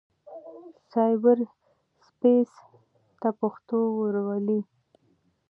سايبر سپېس ته پښتو ورولئ.